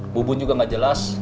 abu bun juga gak jelas